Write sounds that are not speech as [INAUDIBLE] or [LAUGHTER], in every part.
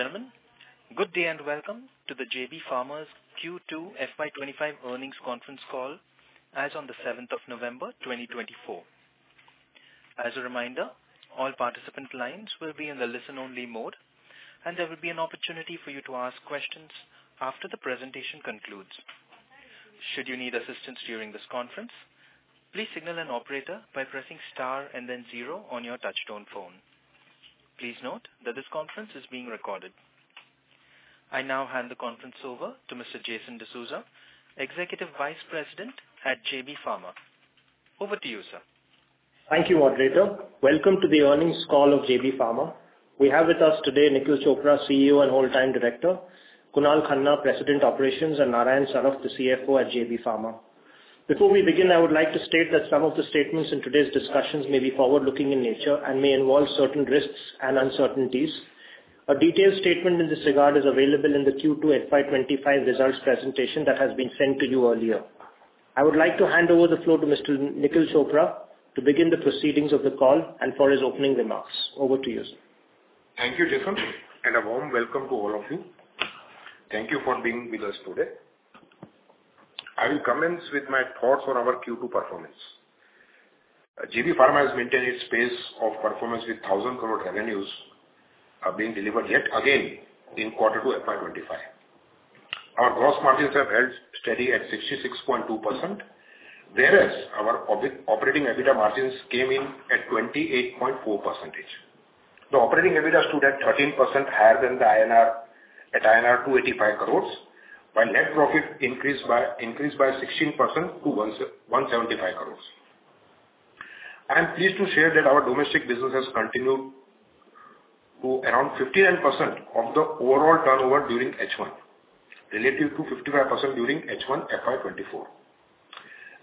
Ladies and gentlemen, good day and welcome to the JB Pharma's Q2 FY25 earnings conference call as of the 7th of November, 2024. As a reminder, all participant lines will be in the listen-only mode, and there will be an opportunity for you to ask questions after the presentation concludes. Should you need assistance during this conference, please signal an operator by pressing star and then zero on your touch-tone phone. Please note that this conference is being recorded. I now hand the conference over to Mr. Jason D'Souza, Executive Vice President at JB Pharma. Over to you, sir. Thank you, Audreya. Welcome to the earnings call of JB Pharma. We have with us today Nikhil Chopra, CEO and Whole-time Director, Kunal Khanna, President Operations, and Narayan Saraf, the CFO at JB Pharma. Before we begin, I would like to state that some of the statements in today's discussions may be forward-looking in nature and may involve certain risks and uncertainties. A detailed statement in this regard is available in the Q2 FY25 results presentation that has been sent to you earlier. I would like to hand over the floor to Mr. Nikhil Chopra to begin the proceedings of the call and for his opening remarks. Over to you, sir. Thank you, Jason, and a warm welcome to all of you. Thank you for being with us today. I will commence with my thoughts on our Q2 performance. JB Pharma has maintained its pace of performance with 1000 crore revenues being delivered yet again in Q2 FY25. Our gross margins have held steady at 66.2%, whereas our operating EBITDA margins came in at 28.4%. The operating EBITDA stood at 13% higher than the INR at INR 285 crores, while net profit increased by 16% to 175 crores. I am pleased to share that our domestic business has continued to around 59% of the overall turnover during H1, relative to 55% during H1 FY24.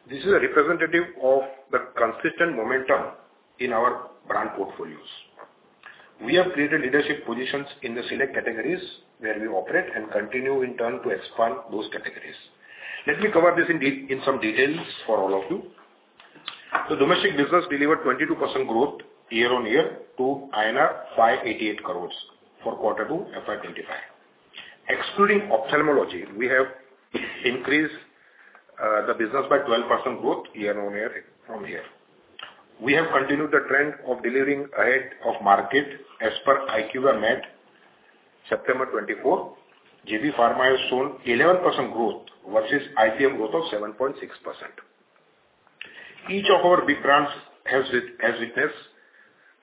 This is representative of the consistent momentum in our brand portfolios. We have created leadership positions in the select categories where we operate and continue in turn to expand those categories. Let me cover this in some details for all of you. The domestic business delivered 22% growth year-on-year to INR 588 crores forQ2 FY25. Excluding ophthalmology, we have increased the business by 12% growth year-on-year from here. We have continued the trend of delivering ahead of market as per IQVIA MAT September 2024. JB Pharma has shown 11% growth versus IPM growth of 7.6%. Each of our big brands has witnessed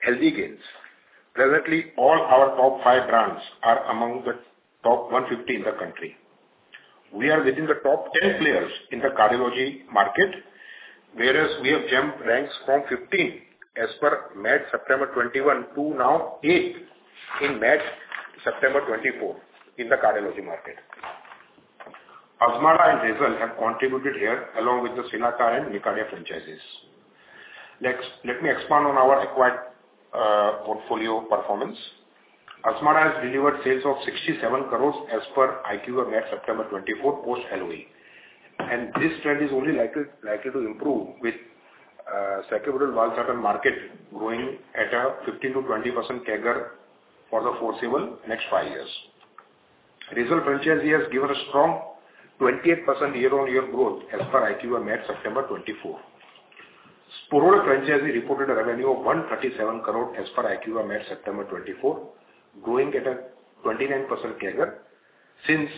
healthy gains. Presently, all our top five brands are among the top 150 in the country. We are within the top 10 players in the cardiology market, whereas we have jumped ranks from 15 as per MAT September 2021 to now 8 in MAT September 2024 in the cardiology market. Azmarda and Razel have contributed here along with the Cilacar and Nicardia franchises. Let me expand on our acquired portfolio performance. Azmarda has delivered sales of 67 crores as per IQVIA MAT September 2024 post-LOE, and this trend is only likely to improve with sacubitril-valsartan market growing at a 15%-20% CAGR for the foreseeable next five years. Razel franchise has given a strong 28% year-on-year growth as per IQVIA MAT September 2024. Sporlac franchise reported a revenue of 137 crores as per IQVIA MAT September 2024, growing at a 29% CAGR since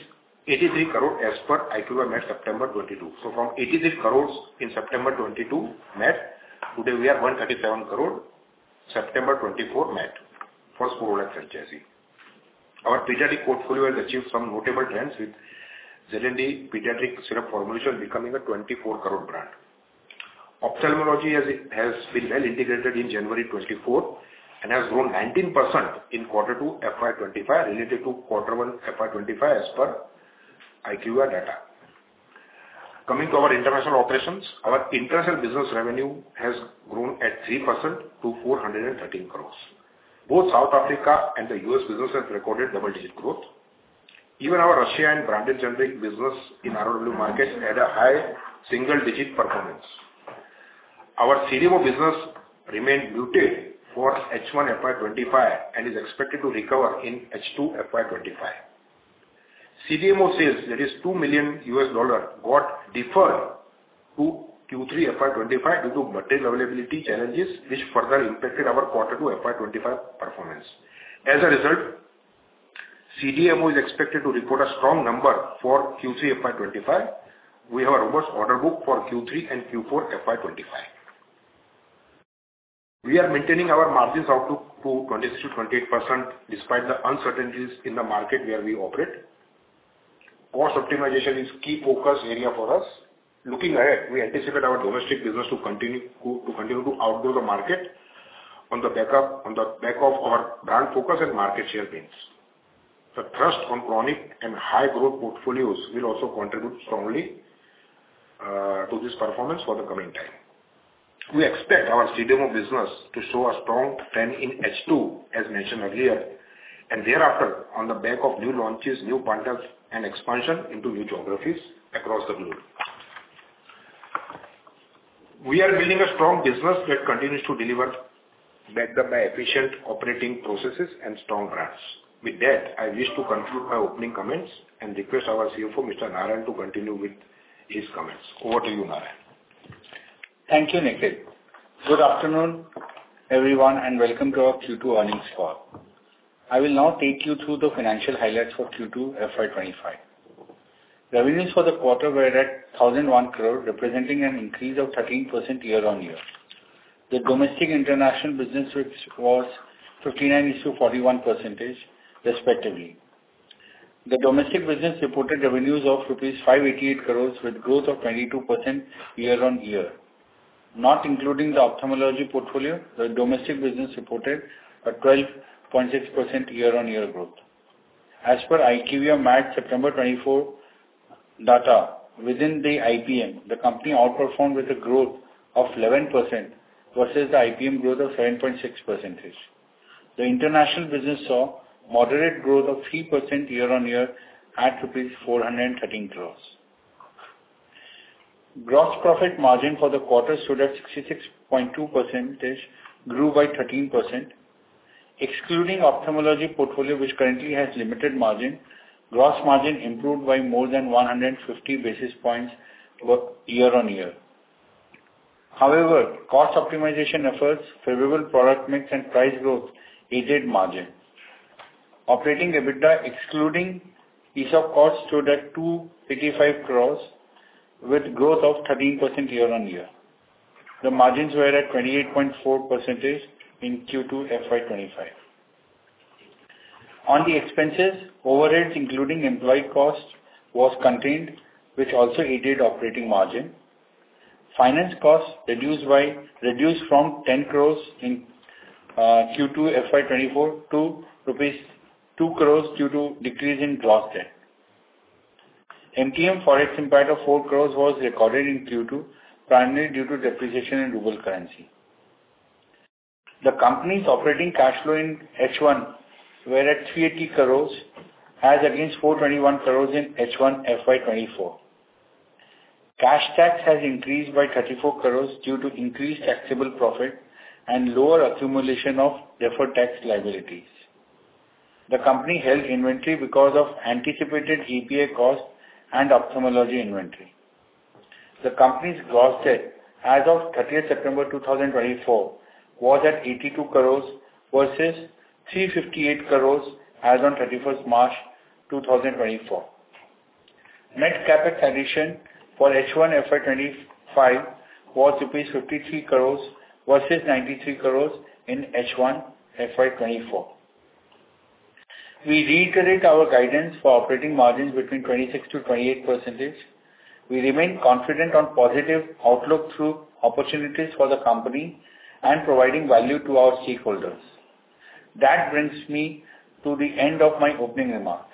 83 crores as per IQVIA MAT September 2022. So from 83 crores in September 2022 MAT, today we are 137 crores September 2024 MAT for Sporlac franchise. Our pediatric portfolio has achieved some notable trends with Z&D Pediatric Syrup formulation becoming a 24-crore brand. Ophthalmology has been well integrated in January 2024 and has grown 19% in Q2 FY25 related to Q1 FY25 as per IQVIA MAT data. Coming to our international operations, our international business revenue has grown at 3% to 413 crores. Both South Africa and the U.S. business have recorded double-digit growth. Even our Russia and Branded Generics export business in rural markets had a high single-digit performance. Our CDMO business remained muted for H1 FY25 and is expected to recover in H2 FY25. CDMO says there is $2 million got deferred to Q3 FY25 due to material availability challenges, which further impacted our Q2 FY25 performance. As a result, CDMO is expected to report a strong number for Q3 FY25. We have a robust order book for Q3 and Q4 FY25. We are maintaining our margins out to 26%-28% despite the uncertainties in the market where we operate. Cost optimization is a key focus area for us. Looking ahead, we anticipate our domestic business to continue to outgrow the market on the back of our brand focus and market share gains. The thrust on chronic and high-growth portfolios will also contribute strongly to this performance for the coming time. We expect our CDMO business to show a strong trend in H2, as mentioned earlier, and thereafter on the back of new launches, new partners, and expansion into new geographies across the globe. We are building a strong business that continues to deliver backed up by efficient operating processes and strong brands. With that, I wish to conclude my opening comments and request our CFO, Mr. Narayan, to continue with his comments. Over to you, Narayan. Thank you, Nikhil. Good afternoon, everyone, and welcome to our Q2 earnings call. I will now take you through the financial highlights for Q2 FY25. Revenues for the quarter were at 1,001 crore, representing an increase of 13% year-on-year. The domestic international business was 59% to 41%, respectively. The domestic business reported revenues of 588 crore rupees, with growth of 22% year-on-year. Not including the ophthalmology portfolio, the domestic business reported a 12.6% year-on-year growth. As per IQVIA MAT September 24 data, within the IPM, the company outperformed with a growth of 11% versus the IPM growth of 7.6%. The international business saw moderate growth of 3% year-on-year at rupees 413 crore. Gross profit margin for the quarter stood at 66.2%, grew by 13%. Excluding ophthalmology portfolio, which currently has limited margin, gross margin improved by more than 150 basis points year-on-year. However, cost optimization efforts, favorable product mix, and price growth aided margin. Operating EBITDA, excluding ESOP cost, stood at 285 crore, with growth of 13% year-on-year. The margins were at 28.4% in Q2 FY25. On the expenses, overheads, including employee costs, were contained, which also aided operating margin. Finance costs reduced from 10 crore in Q2 FY24 to rupees 2 crore due to decrease in gross debt. MTM forex impact of 4 crore was recorded in Q2, primarily due to depreciation in ruble currency. The company's operating cash flow in H1 was at 380 crore, as against 421 crore in H1 FY24. Cash tax has increased by 34 crore due to increased taxable profit and lower accumulation of deferred tax liabilities. The company held inventory because of anticipated EPR cost and ophthalmology inventory. The company's gross debt as of 30th September 2024 was at 82 crore versus 358 crore as on 31st March 2024. Net CapEx expectation for H1 FY25 was 53 crore rupees versus 93 crore in H1 FY24. We reiterate our guidance for operating margins between 26% to 28%. We remain confident on positive outlook through opportunities for the company and providing value to our stakeholders. That brings me to the end of my opening remarks.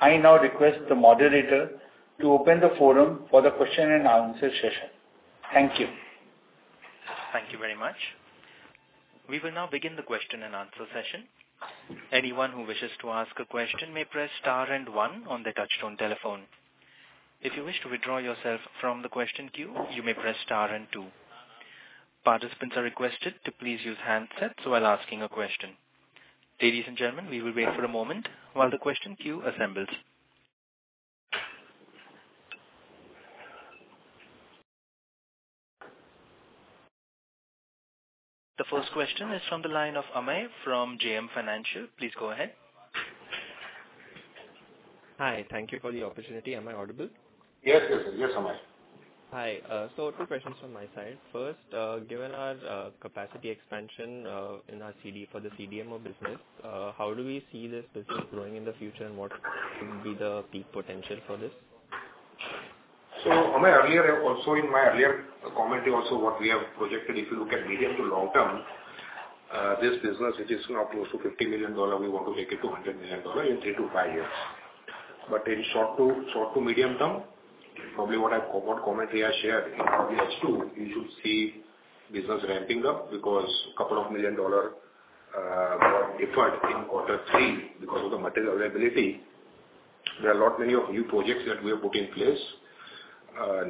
I now request the moderator to open the forum for the question-and-answer session. Thank you. Thank you very much. We will now begin the question-and-answer session. Anyone who wishes to ask a question may press star and one on the touch-tone telephone. If you wish to withdraw yourself from the question queue, you may press star and two. Participants are requested to please use handsets while asking a question. Ladies and gentlemen, we will wait for a moment while the question queue assembles. The first question is from the line of Amey from JM Financial. Please go ahead. Hi. Thank you for the opportunity. Am I audible? Yes, yes, yes, Amey. Hi. So a few questions from my side. First, given our capacity expansion in our CDMO business, how do we see this business growing in the future, and what would be the peak potential for this? Amey, earlier also in my earlier commentary, also what we have projected, if you look at medium to long term, this business, which is now close to $50 million, we want to make it to $100 million in three to five years. But in short to medium term, probably what our commentary has shared in H2, you should see business ramping up because $2 million got deferred in Q3 because of the material availability. There are a lot many of new projects that we have put in place: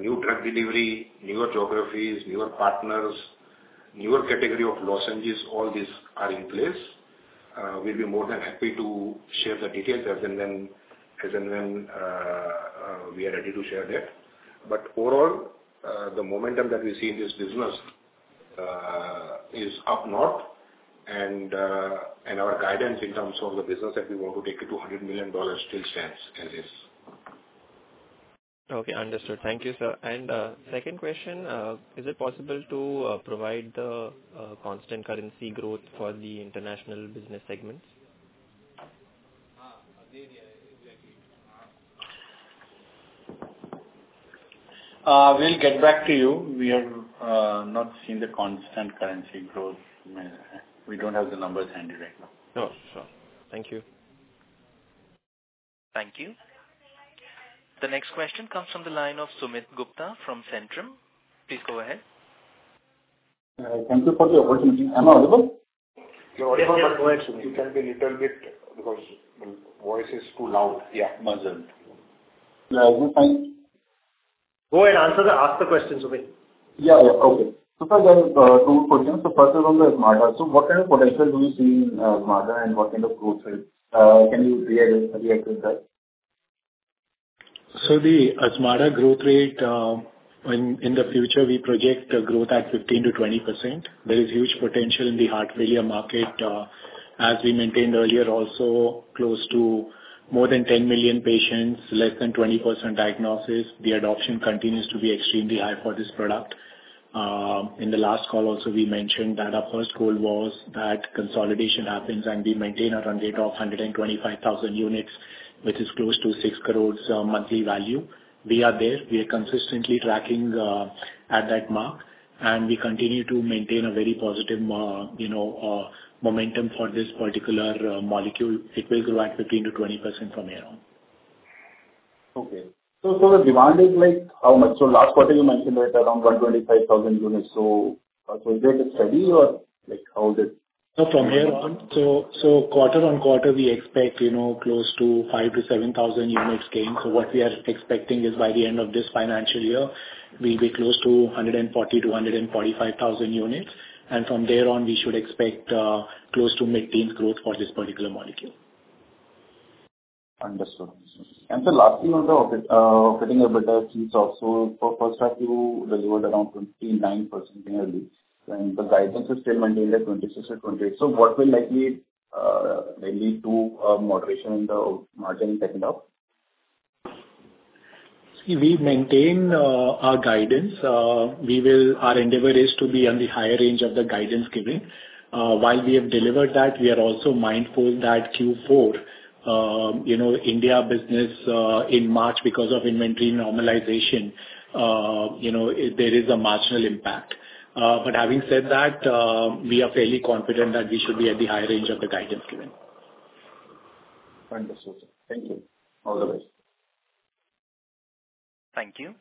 new drug delivery, newer geographies, newer partners, newer category of lozenges. All these are in place. We'll be more than happy to share the details as and when we are ready to share that. But overall, the momentum that we see in this business is up north, and our guidance in terms of the business that we want to take it to $100 million still stands as is. Okay. Understood. Thank you, sir. And second question, is it possible to provide the constant currency growth for the international business segments? We'll get back to you. We have not seen the constant currency growth. We don't have the numbers handy right now. No, sure. Thank you. Thank you. The next question comes from the line of Sumit Gupta from Centrum. Please go ahead. Thank you for the opportunity. Am I audible? You're audible, but you can be a little bit because the voice is too loud. Yeah. Go ahead and ask the question, Sumit. Yeah, yeah. Okay. So first, I have two questions. So first is on the Azmarda. So what kind of potential do we see in Azmarda and what kind of growth rate? Can you react to that? The Azmarda growth rate, in the future, we project a growth at 15%-20%. There is huge potential in the heart failure market, as we maintained earlier, also close to more than 10 million patients, less than 20% diagnosis. The adoption continues to be extremely high for this product. In the last call, also, we mentioned that our first goal was that consolidation happens, and we maintain a run rate of 125,000 units, which is close to 6 crores monthly value. We are there. We are consistently tracking at that mark, and we continue to maintain a very positive momentum for this particular molecule. It will grow at 15%-20% from here on. Okay. So the demand is like how much? So last quarter, you mentioned it around 125,000 units. So is it steady, or how is it? So from here on, so quarter-on-quarter, we expect close to 5,000-7,000 units gain. So what we are expecting is by the end of this financial year, we'll be close to 140,000-145,000 units. And from there on, we should expect close to mid-teens growth for this particular molecule. Understood. And the last thing on the operating EBITDA sheet also, for H1, you delivered around 29% yearly, and the guidance is still maintained at 26%-28%. So what will likely lead to a moderation in the margin taken up? See, we maintain our guidance. Our endeavor is to be on the higher range of the guidance given. While we have delivered that, we are also mindful that Q4, India business in March, because of inventory normalization, there is a marginal impact. But having said that, we are fairly confident that we should be at the high range of the guidance given. Understood. Thank you. All the best. Thank you.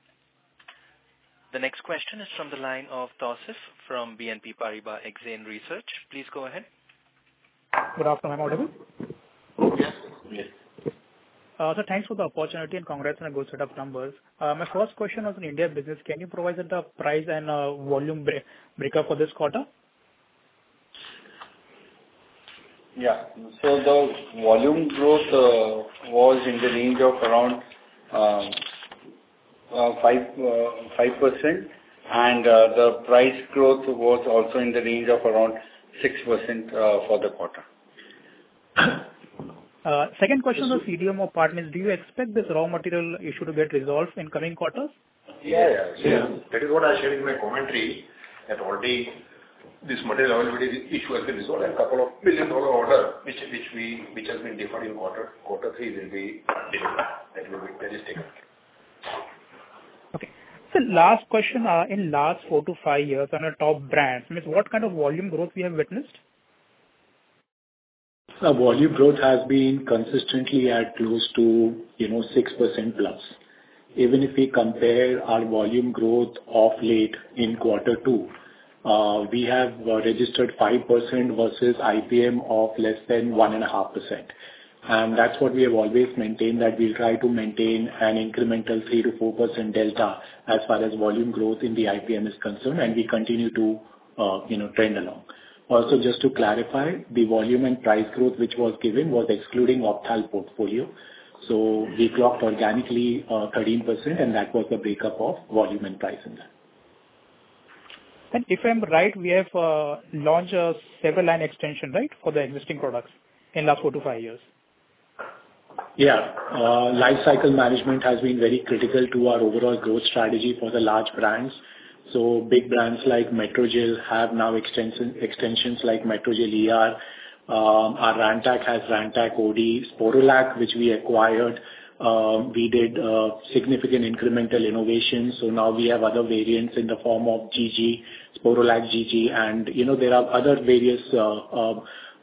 The next question is from the line of Tausif from BNP Paribas Exane Research. Please go ahead. Good afternoon. Am I audible? Yes. Yes. So thanks for the opportunity and congrats on the good set of numbers. My first question was on India business. Can you provide the price and volume breakup for this quarter? Yeah. So the volume growth was in the range of around 5%, and the price growth was also in the range of around 6% for the quarter. Second question on the CDMO part is, do you expect this raw material issue to get resolved in coming quarters? Yeah, yeah. That is what I shared in my commentary, that already this material availability issue has been resolved, and a $2 million order, which has been deferred in Q3, will be delivered. That will be very stable. Okay. So last question in last four to five years on our top brands. What kind of volume growth we have witnessed? Volume growth has been consistently at close to 6%+. Even if we compare our volume growth of late in Q2, we have registered 5% versus IPM of less than 1.5%. And that's what we have always maintained, that we'll try to maintain an incremental 3% to 4% delta as far as volume growth in the IPM is concerned, and we continue to trend along. Also, just to clarify, the volume and price growth which was given was excluding ophthalmology portfolio. So we clocked organically 13%, and that was the breakup of volume and pricing. If I'm right, we have launched a several-line extension, right, for the existing products in the last four-to-five years? Yeah. Life cycle management has been very critical to our overall growth strategy for the large brands. So big brands like Metrogyl have now extensions like Metrogyl ER. Rantac has Rantac OD, Sporlac, which we acquired. We did significant incremental innovations. So now we have other variants in the form of GG, Sporlac-GG, and there are other various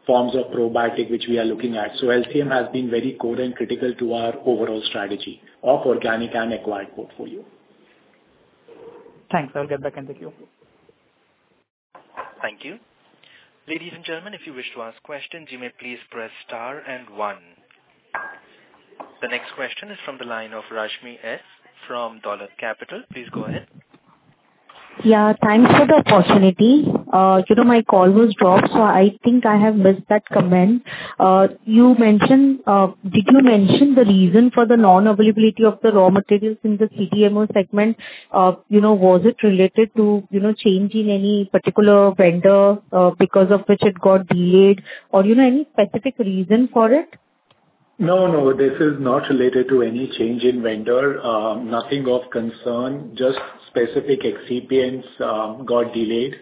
forms of probiotic which we are looking at. So LCM has been very core and critical to our overall strategy of organic and acquired portfolio. Thanks. I'll get back into queue. Thank you. Ladies and gentlemen, if you wish to ask questions, you may please press star and one. The next question is from the line of Rashmi Sancheti from Dolat Capital. Please go ahead. Yeah. Thanks for the opportunity. My call was dropped, so I think I have missed that comment. Did you mention the reason for the non-availability of the raw materials in the CDMO segment? Was it related to change in any particular vendor because of which it got delayed, or any specific reason for it? No, no. This is not related to any change in vendor. Nothing of concern. Just specific excipients got delayed.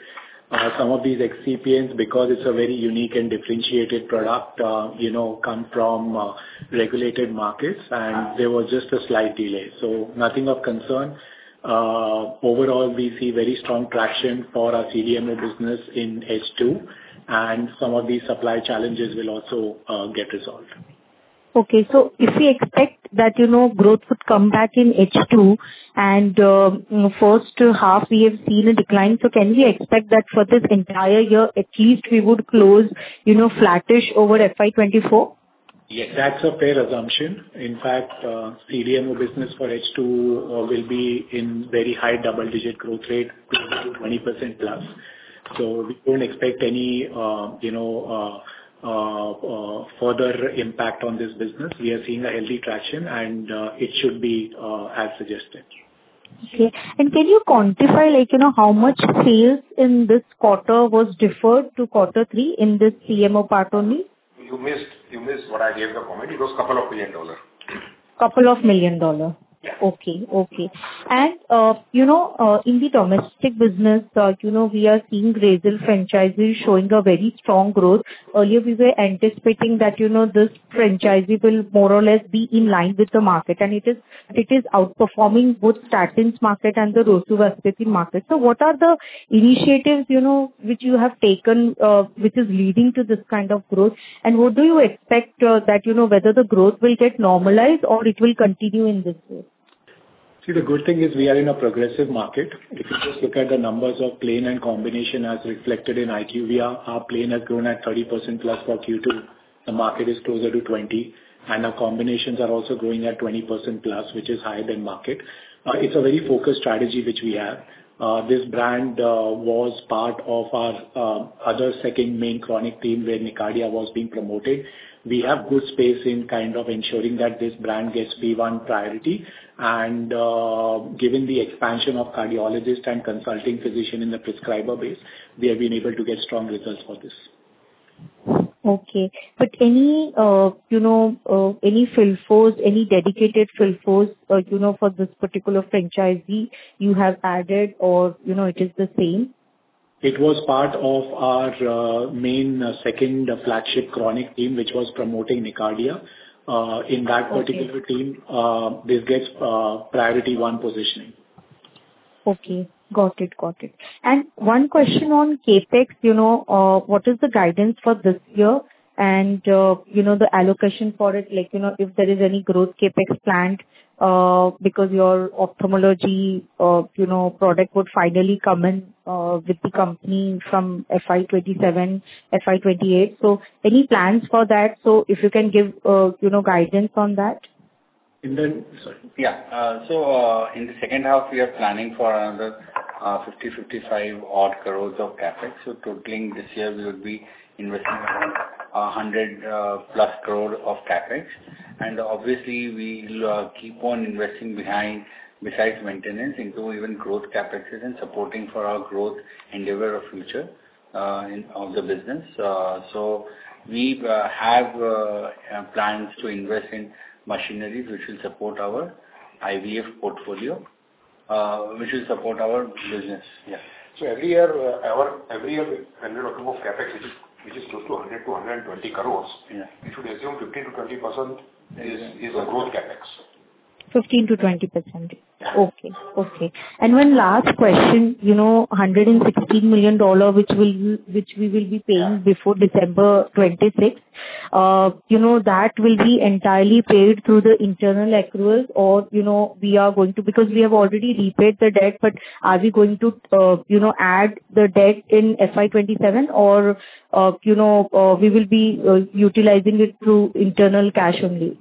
Some of these excipients, because it's a very unique and differentiated product, come from regulated markets, and there was just a slight delay. So nothing of concern. Overall, we see very strong traction for our CDMO business in H2, and some of these supply challenges will also get resolved. Okay. So if we expect that growth would come back in H2, and H1, we have seen a decline, so can we expect that for this entire year, at least we would close flattish over FY24? Yes. That's a fair assumption. In fact, CDMO business for H2 will be in very high double-digit growth rate, 20%+. So we don't expect any further impact on this business. We are seeing a healthy traction, and it should be as suggested. Okay. And can you quantify how much sales in this quarter was deferred to Q3 in this CDMO part only? You missed what I gave the comment. It was $2 million. $2 million. Yeah. Okay, okay. And in the domestic business, we are seeing Razel franchise showing a very strong growth. Earlier, we were anticipating that this franchise will more or less be in line with the market, and it is outperforming both statin market and the rosuvastatin market. So what are the initiatives which you have taken which is leading to this kind of growth? And what do you expect that whether the growth will get normalized or it will continue in this way? See, the good thing is we are in a progressive market. If you just look at the numbers of plain and combination as reflected in IQVIA, our plain has grown at 30%+ for Q2. The market is closer to 20, and our combinations are also growing at 20%+, which is higher than market. It's a very focused strategy which we have. This brand was part of our other second main chronic theme where Nicardia was being promoted. We have good space in kind of ensuring that this brand gets P1 priority, and given the expansion of cardiologist and consulting physician in the prescriber base, we have been able to get strong results for this. Okay. But any field force, any dedicated field force for this particular franchise you have added, or it is the same? It was part of our main second flagship chronic theme which was promoting Nicardia. In that particular theme, this gets priority one positioning. Okay. Got it, got it. And one question on CapEx. What is the guidance for this year and the allocation for it? If there is any growth CapEx planned because your ophthalmology product would finally come in with the company from FY27, FY28. So any plans for that? So if you can give guidance on that? Yeah. So in H2, we are planning for another 50-55 odd crores of CapEx. So totaling this year, we will be investing 100 crores+ of CapEx. And obviously, we will keep on investing behind, besides maintenance, into even growth CapEx and supporting for our growth endeavor of future of the business. So we have plans to invest in machineries which will support our IV portfolio, which will support our business. Yeah. So every year, when we look at CapEx, which is close to 100 to 120 crores, we should assume 15%-20% is the growth CapEx. 15%-20%. Okay, okay. And one last question, $116 million which we will be paying before December 26th, that will be entirely paid through the internal accruals, or we are going to because we have already repaid the debt, but are we going to add the debt in FY27, or we will be utilizing it through internal cash only?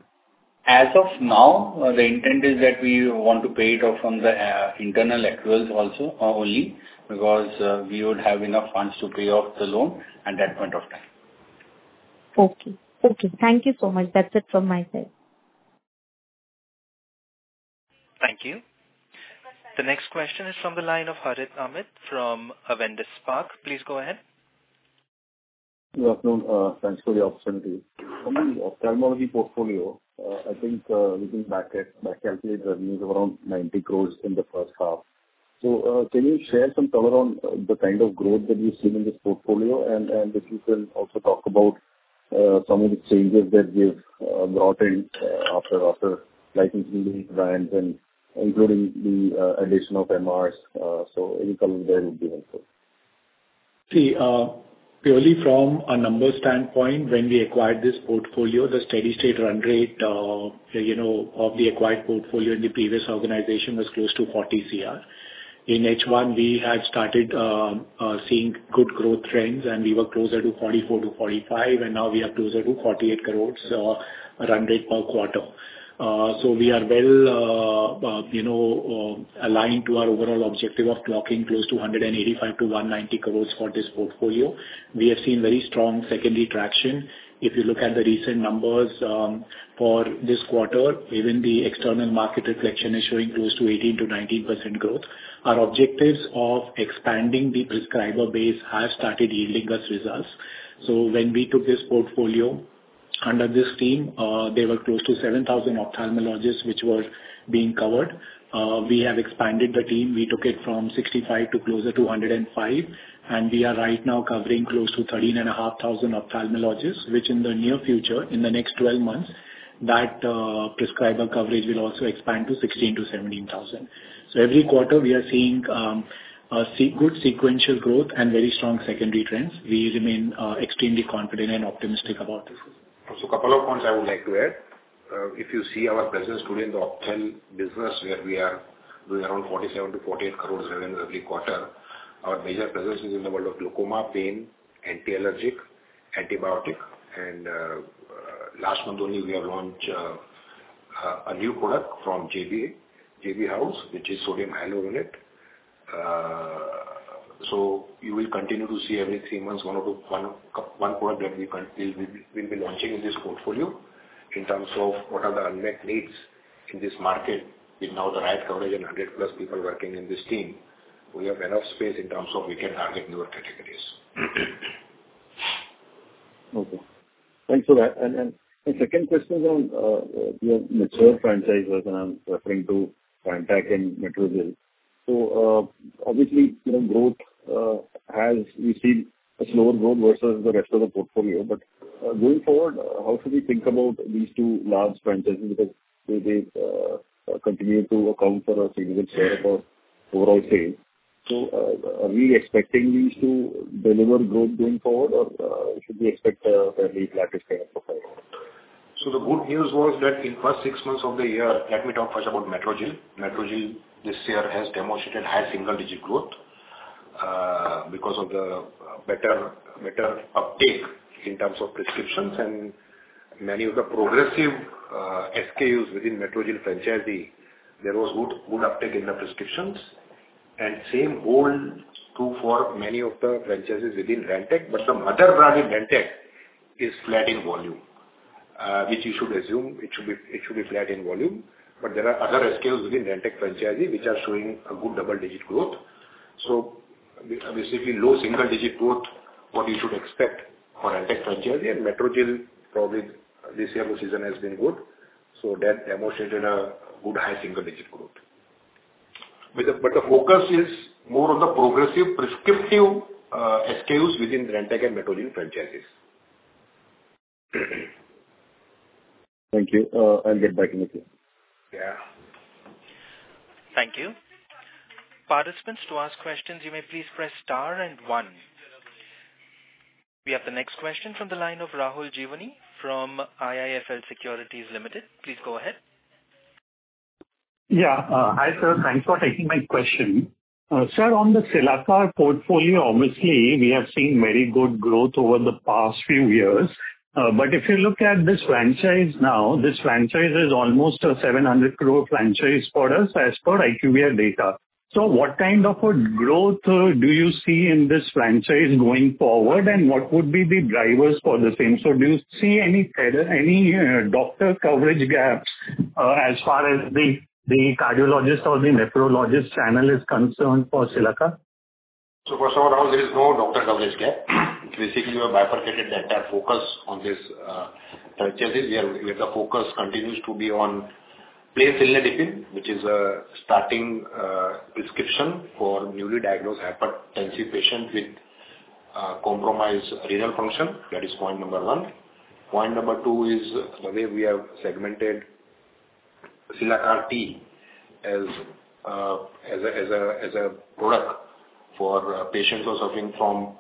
As of now, the intent is that we want to pay it from the internal accruals also only because we would have enough funds to pay off the loan at that point of time. Okay, okay. Thank you so much. That's it from my side. Thank you. The next question is from the line of Harith Ahamed from Avendus Spark. Please go ahead. Good afternoon. Thanks for the opportunity. For the ophthalmology portfolio, I think we can calculate revenues of around 90 crore in H1. So can you share some color on the kind of growth that we've seen in this portfolio, and if you can also talk about some of the changes that we have brought in after licensing these brands, including the addition of MRs? So any color there would be helpful. See, purely from a numbers standpoint, when we acquired this portfolio, the steady-state run rate of the acquired portfolio in the previous organization was close to 40 crore. In H1, we had started seeing good growth trends, and we were closer to 44 to 45 crore, and now we are closer to 48 crore run rate per quarter. So we are well aligned to our overall objective of clocking close to 185 to 190 crore for this portfolio. We have seen very strong secondary traction. If you look at the recent numbers for this quarter, even the external market reflection is showing close to 18 to 19% growth. Our objectives of expanding the prescriber base have started yielding us results. So when we took this portfolio under this team, there were close to 7,000 ophthalmologists which were being covered. We have expanded the team. We took it from 65 to closer to 105, and we are right now covering close to 13,500 ophthalmologists, which in the near future, in the next 12 months, that prescriber coverage will also expand to 16 to 17,000. So every quarter, we are seeing good sequential growth and very strong secondary trends. We remain extremely confident and optimistic about this. A couple of points I would like to add. If you see our presence today in the ophthamology business, where we are doing around 47-48 crores revenue every quarter, our major presence is in the world of glaucoma, pain, anti-allergic, antibiotic. Last month only, we have launched a new product from JB House, which is sodium hyaluronate. You will continue to see every three months one product that we will be launching in this portfolio. In terms of what are the unmet needs in this market with now the right coverage and 100+ people working in this team, we have enough space in terms of we can target newer categories. Okay. Thanks for that, and second question is on your mature franchises that I'm referring to, Rantac and Metrogyl. Obviously, as we've seen, growth has been slower versus the rest of the portfolio. But going forward, how should we think about these two large franchises because they continue to account for a significant share of our overall sales? Are we expecting these to deliver growth going forward, or should we expect a fairly flat kind of profile? The good news was that in the first six months of the year, let me talk first about Metrogyl. Metrogyl this year has demonstrated high single-digit growth because of the better uptake in terms of prescriptions. Many of the progressive SKUs within Metrogyl franchise had good uptake in the prescriptions. The same holds true for many of the franchises within Rantac, but the mother brand in Rantac is flat in volume, which you should assume it should be flat in volume. There are other SKUs within Rantac franchise which are showing a good double-digit growth. Basically, low single-digit growth is what you should expect for Rantac franchise. Metrogyl probably this year's season has been good. That demonstrated a good high single-digit growth. The focus is more on the progressive prescriptive SKUs within Rantac and Metrogyl franchises. Thank you. I'll get back into queue. Yeah. Thank you. Participants, to ask questions, you may please press star and one. We have the next question from the line of Rahul Jeewani from IIFL Securities Limited. Please go ahead. Yeah. Hi sir. Thanks for taking my question. Sir, on the Cilacar portfolio, obviously, we have seen very good growth over the past few years. But if you look at this franchise now, this franchise is almost a 700 crore franchise for us as per IQVIA data. So what kind of a growth do you see in this franchise going forward, and what would be the drivers for the same? So do you see any doctor coverage gaps as far as the cardiologist or the nephrologist channel is concerned for Cilacar? So first of all, there is no doctor coverage gap. Basically, we have bifurcated the entire focus on this franchise. We have the focus continues to be on Cilnidipine, which is a starting prescription for newly diagnosed hypertensive patients with compromised renal function. That is point number one. Point number two is the way we have segmented Cilacar-T as a product for patients who are suffering from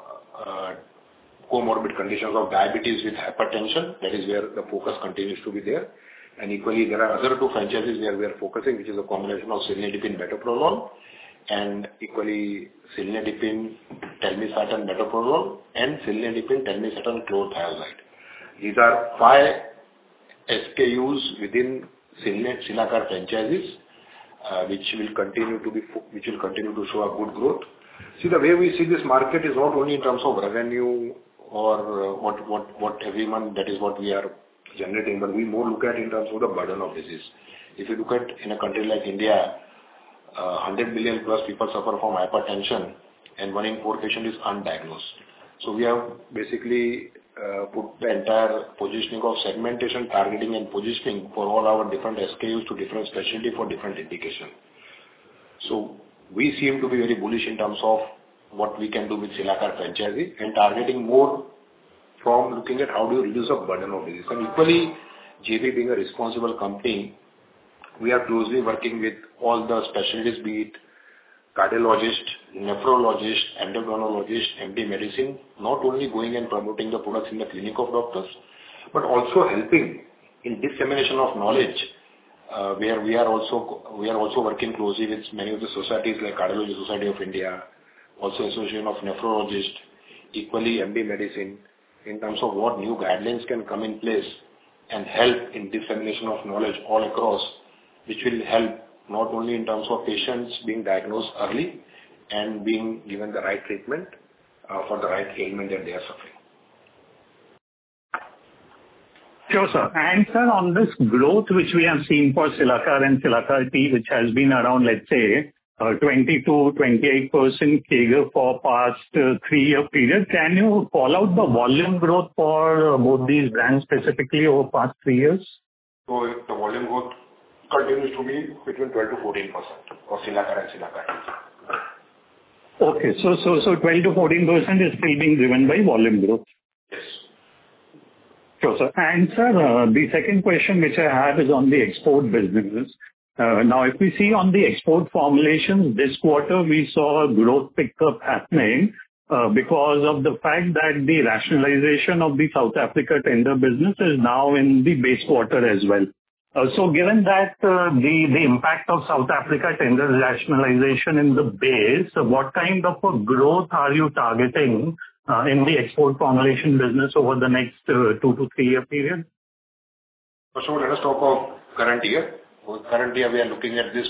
comorbid conditions of diabetes with hypertension. That is where the focus continues to be there. And equally, there are other two franchises where we are focusing, which is a combination of Cilnidipine metoprolol and equally Cilnidipine Telmisartan metoprolol and Cilnidipine telmisartan Chlorthalidone. These are five SKUs within Cilacar franchises which will continue to show a good growth. See, the way we see this market is not only in terms of revenue or whatever month, that is what we are generating, but we more look at in terms of the burden of disease. If you look at in a country like India, 100 million+ people suffer from hypertension, and one in four patients is undiagnosed. So we have basically put the entire positioning of segmentation, targeting, and positioning for all our different SKUs to different specialty for different indication. So we seem to be very bullish in terms of what we can do with Cilacar franchise and targeting more from looking at how do you reduce the burden of disease. And equally, JB being a responsible company, we are closely working with all the specialists, be it cardiologists, nephrologists, endocrinologists, MD medicine, not only going and promoting the products in the clinic of doctors, but also helping in dissemination of knowledge where we are also working closely with many of the societies like Cardiology Society of India, also Association of Nephrologists, equally MD medicine in terms of what new guidelines can come in place and help in dissemination of knowledge all across, which will help not only in terms of patients being diagnosed early and being given the right treatment for the right ailment that they are suffering. Sure, sir. Sir, on this growth which we have seen for Cilacar and Cilacar-T, which has been around, let's say, 20%-28% figure for the past three-year period, can you call out the volume growth for both these brands specifically over the past three years? So the volume growth continues to be between 12% to 14% for Cilacar. Okay, so 12%-14% is still being driven by volume growth? Yes. Sure, sir. And sir, the second question which I have is on the export businesses. Now, if we see on the export formulations, this quarter we saw a growth pickup happening because of the fact that the rationalization of the South Africa tender business is now in the base quarter as well. So given that the impact of South Africa tender rationalization in the base, what kind of a growth are you targeting in the export formulation business over the next two to three-year period? So let us talk of current year. Currently, we are looking at this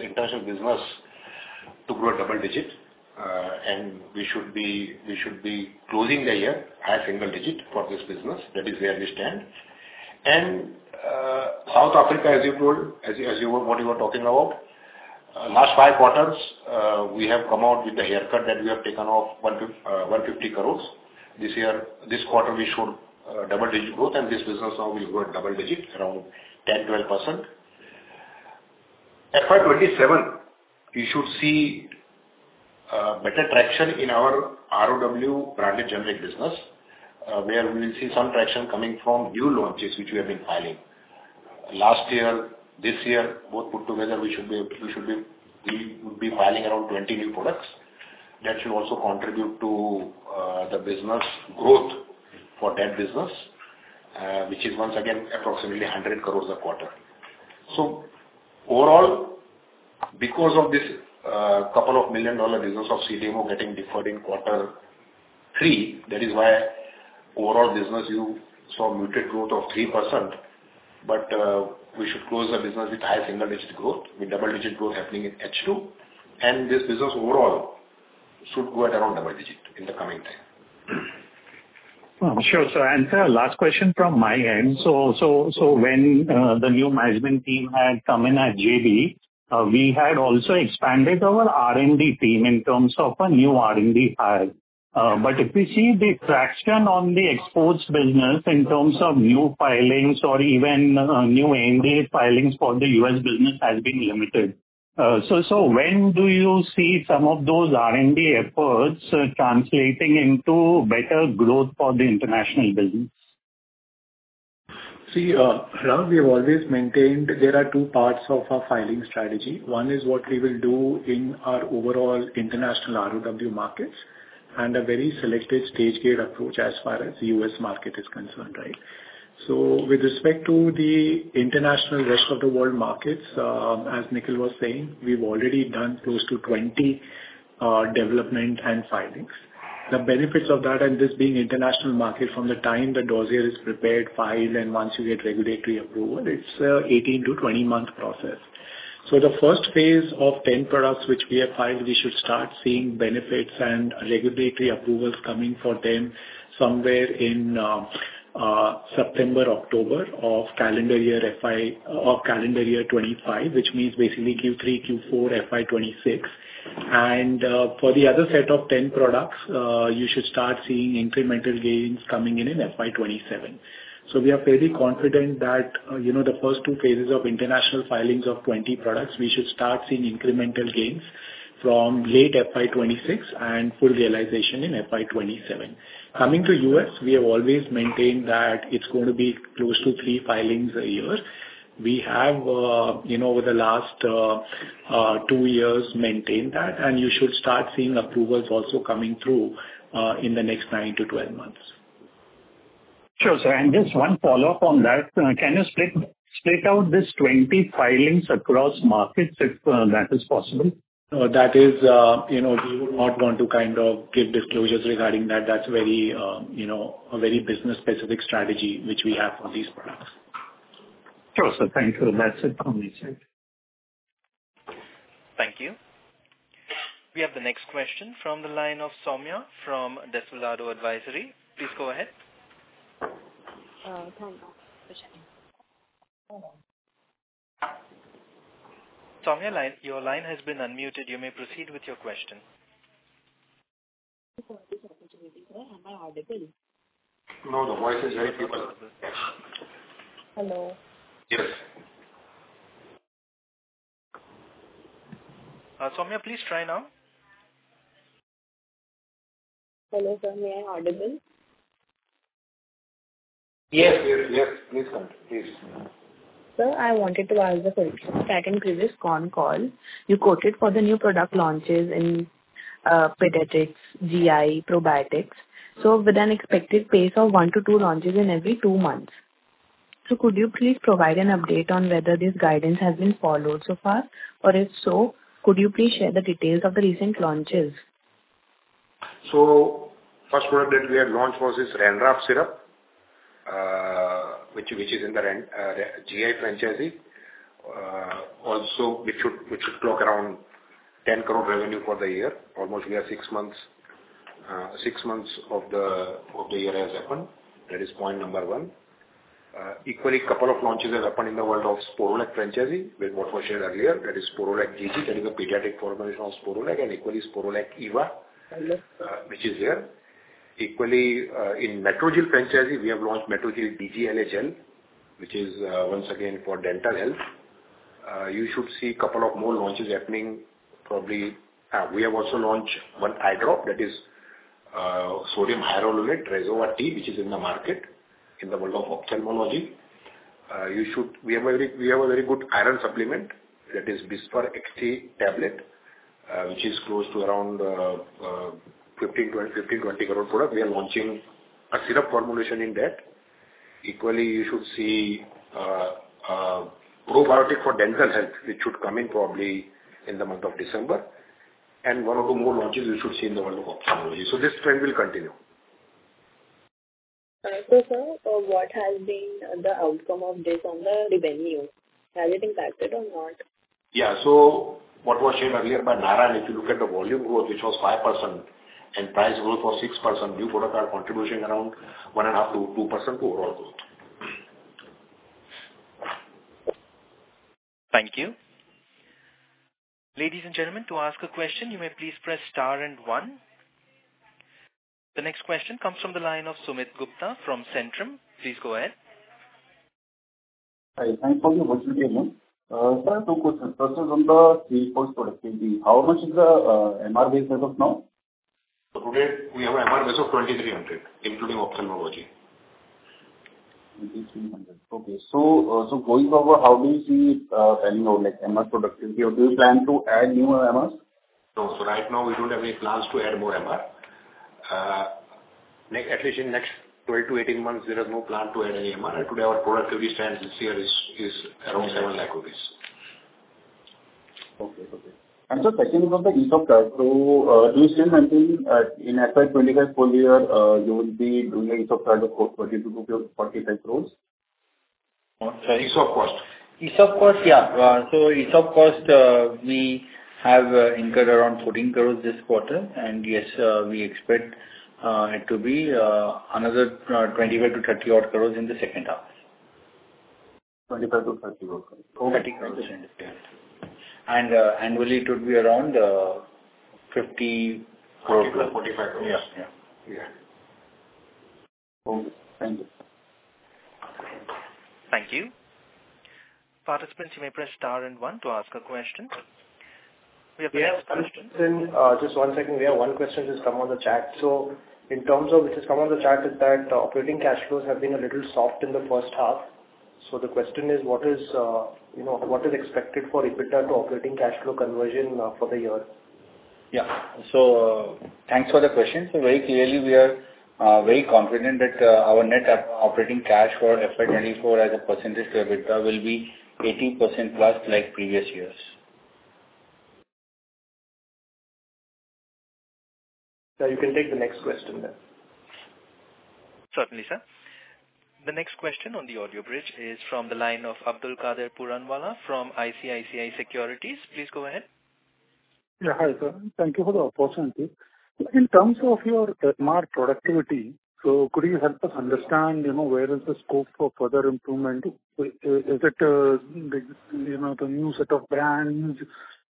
international business to grow a double-digit, and we should be closing the year at single-digit for this business. That is where we stand. And South Africa, as you told, what you were talking about, last five quarters, we have come out with the haircut that we have taken off 150 crores this year. This quarter, we showed double-digit growth, and this business now will grow at double-digit, around 10%-12%. FY27, we should see better traction in our RoW Branded Generic business, where we will see some traction coming from new launches which we have been filing last year, this year. Both put together, we should be filing around 20 new products. That should also contribute to the business growth for that business, which is once again approximately 100 crores a quarter. So overall, because of this $2 million business of CDMO getting deferred in Q3, that is why overall business you saw muted growth of 3%, but we should close the business with high single-digit growth, with double-digit growth happening in H2, and this business overall should go at around double-digit in the coming time. Sure, sir. And, sir, last question from my end. So when the new management team had come in at JB, we had also expanded our R&D team in terms of a new R&D facility. But if we see the traction on the exports business in terms of new filings or even new NDA filings for the US business has been limited. So when do you see some of those R&D efforts translating into better growth for the international business? See, Rahul, we have always maintained there are two parts of our filing strategy. One is what we will do in our overall international RoW markets and a very selected stage gate approach as far as the US market is concerned, right? So with respect to the international rest of the world markets, as Nikhil was saying, we've already done close to 20 development and filings. The benefits of that, and this being international market, from the time the dossier is prepared, filed, and once you get regulatory approval, it's an 18 to 20-month process. So the first phase of 10 products which we have filed, we should start seeing benefits and regulatory approvals coming for them somewhere in September, October of calendar year 2025, which means basically Q3, Q4, FY 2026. And for the other set of 10 products, you should start seeing incremental gains coming in in FY 2027. So we are fairly confident that the first two phases of international filings of 20 products, we should start seeing incremental gains from late FY26 and full realization in FY27. Coming to U.S., we have always maintained that it's going to be close to three filings a year. We have, over the last two years, maintained that, and you should start seeing approvals also coming through in the next nine to 12 months. Sure, sir. And just one follow-up on that. Can you split out these 20 filings across markets if that is possible? That is, we would not want to kind of give disclosures regarding that. That's a very business-specific strategy which we have for these products. Sure, sir. Thank you. That's it from my side. Thank you. We have the next question from the line of Somia from Desvelado Advisory. Please go ahead. [AUDIO DISTORTION] Somia, your line has been unmuted. You may proceed with your question. Hello. [AUDIO DISTORTION] [AUDIO DISTORTION] [AUDIO DISTORTION] Somia, please try now. Hello, sir. Am I audible? Yes, yes, yes. Please continue. Please. Sir, I wanted to ask the question. In the previous call, you quoted for the new product launches in pediatrics, GI, probiotics, so with an expected pace of one to two launches in every two months. So could you please provide an update on whether this guidance has been followed so far, or if so, could you please share the details of the recent launches? So first product that we had launched was this Ranraft syrup, which is in the GI franchise. Also, which should clock around 10 crore revenue for the year. Almost we are six months of the year has happened. That is point number one. Equally, a couple of launches have happened in the world of Sporlac franchise, with what was shared earlier. That is Sporlac-GG. That is a pediatric formulation of Sporlac, and equally, Sporlac Eva, which is here. Equally, in Metrogyl franchise, we have launched Metrogyl DG Gel, which is once again for dental health. You should see a couple of more launches happening. We have also launched one eye drop, that is sodium hyaluronate, which is in the market in the world of ophthalmology. We have a very good iron supplement, that is Bizfer-XT tablet, which is close to around 15-20 crore product. We are launching a syrup formulation in that. Equally, you should see probiotic for dental health, which should come in probably in the month of December, and one or two more launches you should see in the world of ophthalmology, so this trend will continue. Sir, what has been the outcome of this on the revenue? Has it impacted or not? Yeah. So what was shared earlier by Narayan, if you look at the volume growth, which was 5%, and price growth was 6%, new product are contributing around 1.5%-2% overall growth. Thank you. Ladies and gentlemen, to ask a question, you may please press star and one. The next question comes from the line of Sumit Gupta from Centrum. Please go ahead. Hi. Thanks for the opportunity. Sir, two questions. First is on the Cilacar productivity. How much is the MR base as of now? Today, we have an MR base of 2,300, including ophthalmology. 2,300. Okay. So going forward, how do you see selling out MR productivity? Or do you plan to add new MRs? No. So right now, we don't have any plans to add more MR. At least in the next 12 to 18 months, there is no plan to add any MR. And today, our productivity stands this year is around 7 lakhs. Okay. And, sir, second is on the ESOP charge. So, do you still maintain in FY25 full year you will be doing the ESOP charge of 42-45 crores rupees? On ESOP cost? ESOP cost, yeah. So ESOP cost, we have incurred around 14 crores this quarter, and yes, we expect it to be another 25-30 odd crores in H2. 25 to 30 odd crores. Okay. Annually, it would be around 50 crores. 55 crore-INR 45 crore. Yeah. Yeah. Okay. Thank you. Thank you. Participants, you may press star and one to ask a question. We have the next question. Yes. Just one second. We have one question just come on the chat. So in terms of which has come on the chat is that operating cash flows have been a little soft in H1. So the question is, what is expected for EBITDA to operating cash flow conversion for the year? Yeah. So thanks for the question. So very clearly, we are very confident that our net operating cash for FY24 as a percentage to EBITDA will be 80%+ like previous years. Sir, you can take the next question then. Certainly, sir. The next question on the audio bridge is from the line of Abdulkader Puranwala from ICICI Securities. Please go ahead. Yeah. Hi, sir. Thank you for the opportunity. In terms of your productivity, so could you help us understand where is the scope for further improvement? Is it the new set of brands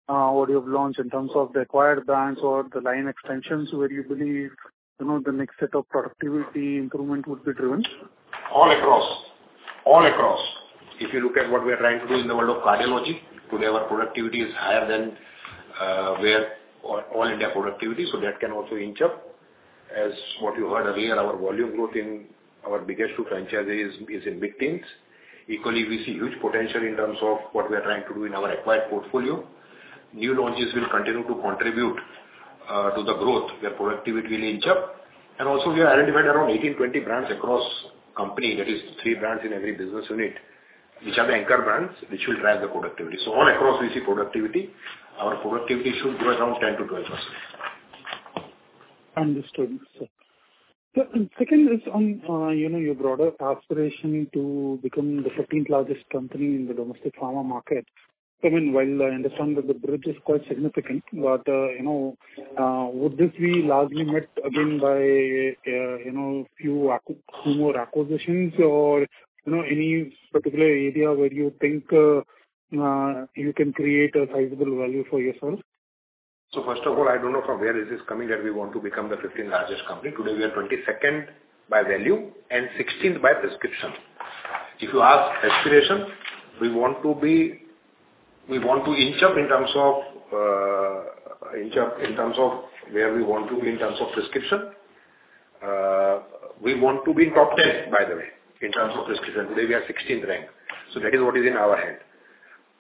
or you have launched in terms of the acquired brands or the line extensions where you believe the next set of productivity improvement would be driven? All across. All across. If you look at what we are trying to do in the world of cardiology, today, our productivity is higher than all India productivity. So that can also inch up. As what you heard earlier, our volume growth in our biggest two franchises is in big teams. Equally, we see huge potential in terms of what we are trying to do in our acquired portfolio. New launches will continue to contribute to the growth where productivity will inch up. And also, we have identified around 18-20 brands across company. That is three brands in every business unit, which are the anchor brands, which will drive the productivity. So all across, we see productivity. Our productivity should grow around 10%-12%. Understood. Sir. Second is on your broader aspiration to become the 15th largest company in the domestic pharma market. I mean, while I understand that the bridge is quite significant, but would this be largely met again by a few more acquisitions or any particular area where you think you can create a sizable value for yourself? So first of all, I don't know from where this is coming that we want to become the 15th largest company. Today, we are 22nd by value and 16th by prescription. If you ask aspiration, we want to inch up in terms of where we want to be in terms of prescription. We want to be in top 10, by the way, in terms of prescription. Today, we are 16th rank. So that is what is in our hand.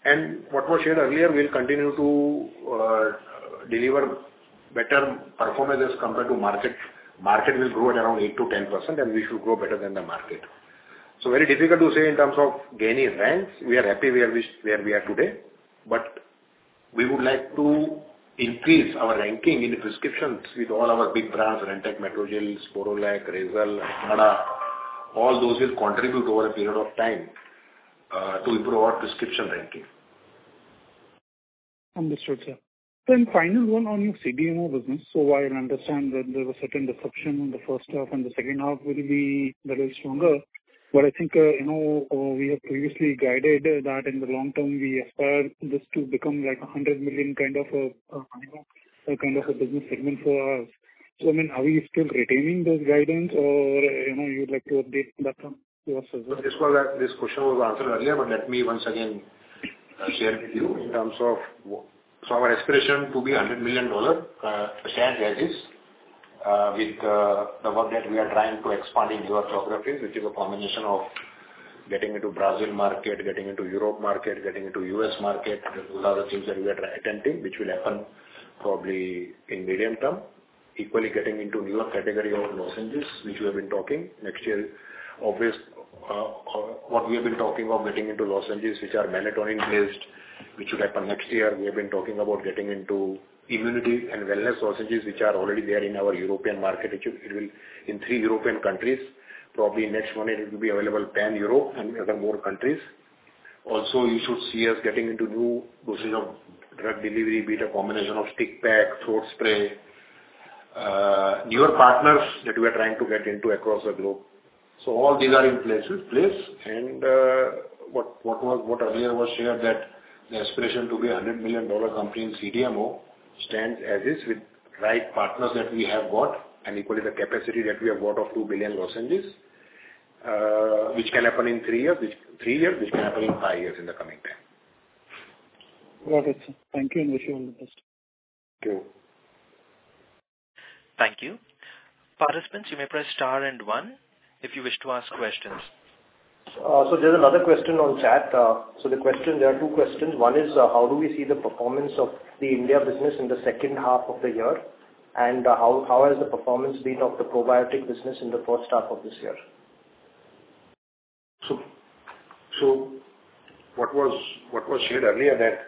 And what was shared earlier, we will continue to deliver better performance as compared to market. Market will grow at around 8%-10%, and we should grow better than the market. So very difficult to say in terms of gaining ranks. We are happy where we are today, but we would like to increase our ranking in prescriptions with all our big brands: Rantac, Metrogyl, Sporlac, Razel, Nicardia. All those will contribute over a period of time to improve our prescription ranking. Understood, sir. Then final one on your CDMO business. So I understand that there was certain deceleration in H1, and H2 will be a little stronger. But I think we have previously guided that in the long term, we aspire this to become like a 100 million kind of a business segment for us. So I mean, are we still retaining those guidance, or you would like to update that to us as well? I just want to add this question was answered earlier, but let me once again share with you in terms of so our aspiration to be $100 million shares as is with the work that we are trying to expand in newer geographies, which is a combination of getting into Brazil market, getting into Europe market, getting into U.S. market. Those are the things that we are attempting, which will happen probably in medium term. Equally, getting into newer category of lozenges, which we have been talking next year. What we have been talking of getting into lozenges, which are melatonin-based, which should happen next year. We have been talking about getting into immunity and wellness lozenges, which are already there in our European market. It will be in three European countries. Probably next month, it will be available pan-Europe and other more countries. Also, you should see us getting into new dosage forms of drug delivery, be it a combination of stick pack, throat spray, newer partners that we are trying to get into across the globe. So all these are in place. What earlier was shared, that the aspiration to be a $100 million company in CDMO stands as is with right partners that we have got and equally the capacity that we have got of 2 billion lozenges, which can happen in three years, which can happen in five years in the coming time. Got it, sir. Thank you. And wish you all the best. Thank you. Thank you. Participants, you may press star and one if you wish to ask questions. There's another question on chat. The question, there are two questions. One is, how do we see the performance of the India business in H2 of the year? And how has the performance been of the probiotic business in H1 of this year? What was shared earlier that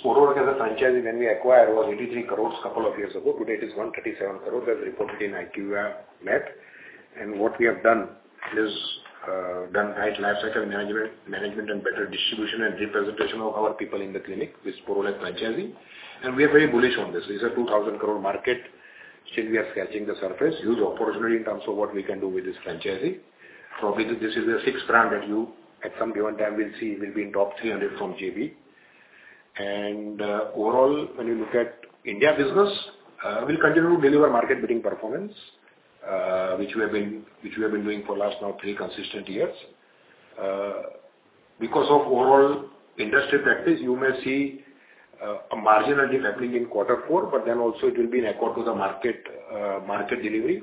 Sporlac as a franchise, when we acquired, was 83 crores a couple of years ago. Today, it is 137 crores as reported in IQVIA MAT. And what we have done is done right life cycle management and better distribution and representation of our people in the clinic with Sporlac franchising. And we are very bullish on this. This is a 2,000 crore market. Still, we are scratching the surface. Huge opportunity in terms of what we can do with this franchise. Probably this is the sixth brand that you at some given time will see be in top 300 from JB. And overall, when you look at India business, we'll continue to deliver market-beating performance, which we have been doing for the last now three consistent years. Because of overall industry practice, you may see a marginal decline in Q4, but then also it will be in accordance with the market delivery,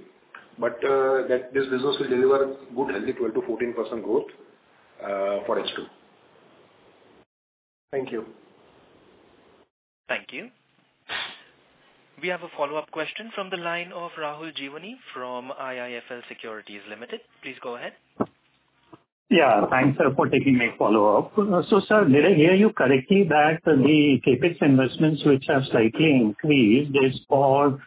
but this business will deliver good, healthy 12%-14% growth for S2. Thank you. Thank you. We have a follow-up question from the line of Rahul Jeewani from IIFL Securities Limited. Please go ahead. Yeah. Thanks, sir, for taking my follow-up. So, sir, did I hear you correctly that the CapEx investments, which have slightly increased, is for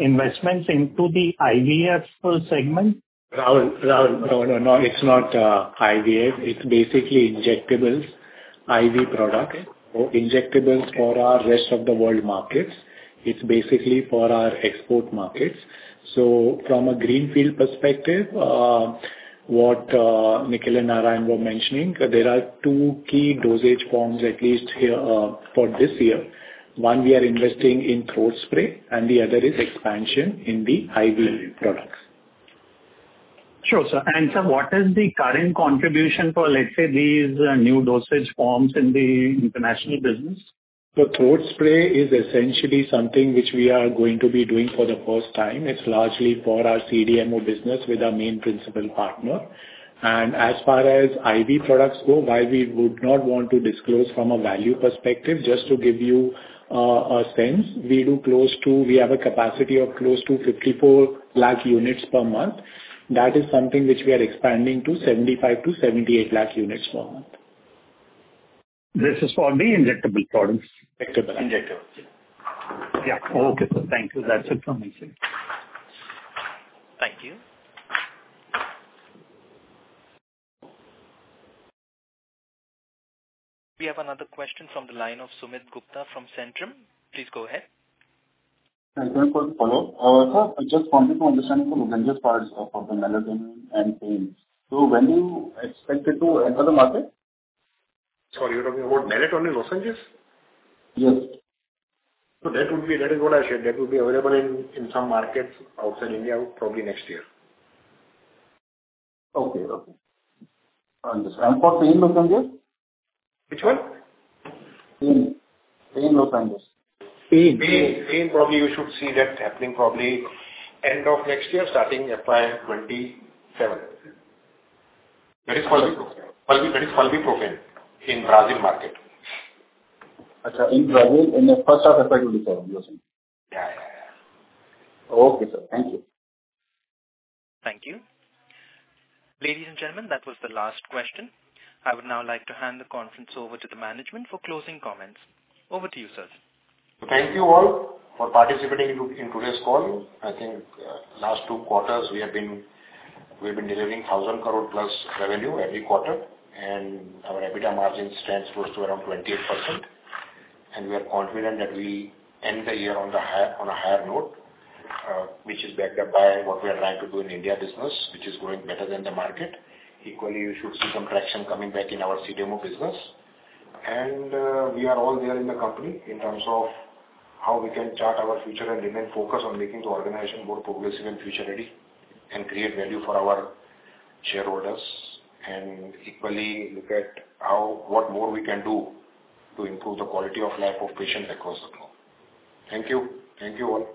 investments into the IVF segment? No, no, no. It's not IVF. It's basically injectable IV products. So injectables for our rest of the world markets. It's basically for our export markets. So from a greenfield perspective, what Nikhil and Narayan were mentioning, there are two key dosage forms at least for this year. One, we are investing in throat spray, and the other is expansion in the IV products. Sure, sir. And sir, what is the current contribution for, let's say, these new dosage forms in the international business? The throat spray is essentially something which we are going to be doing for the first time. It's largely for our CDMO business with our main principal partner, and as far as IV products go, while we would not want to disclose from a value perspective, just to give you a sense, we have a capacity of close to 54 lakh units per month. That is something which we are expanding to 75-78 lakh units per month. This is for the injectable products? Injectable. Injectable. Yeah. Okay. Thank you. That's it from me, sir. Thank you. We have another question from the line of Sumit Gupta from Centrum. Please go ahead. Thank you for the follow-up. Sir, I just wanted to understand the launch just for the melatonin and pain. So when do you expect it to enter the market? Sorry, you're talking about melatonin lozenges? Yes. That is what I said. That will be available in some markets outside India probably next year. Okay. Okay. Understood. And for pain lozenges? Which one? Pain. Pain lozenges. Pain. Pain. Probably you should see that happening probably end of next year, starting FY27. That is Flurbiprofen in Brazil market in H1 of FY27. Yeah, yeah, yeah. Okay, sir. Thank you. Thank you. Ladies and gentlemen, that was the last question. I would now like to hand the conference over to the management for closing comments. Over to you, sir. Thank you all for participating in today's call. I think last two quarters, we have been delivering 1000+ crore revenue every quarter. Our EBITDA margin stands close to around 28%. We are confident that we end the year on a higher note, which is backed up by what we are trying to do in India business, which is growing better than the market. Equally, you should see some traction coming back in our CDMO business. We are all there in the company in terms of how we can chart our future and remain focused on making the organization more progressive and future-ready and create value for our shareholders. Equally, look at what more we can do to improve the quality of life of patients across the globe. Thank you. Thank you all.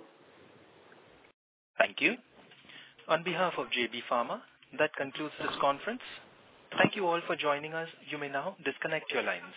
Thank you. On behalf of JB Pharma, that concludes this conference. Thank you all for joining us. You may now disconnect your lines.